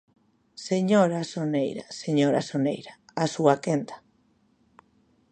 Señora Soneira, señora Soneira, a súa quenda.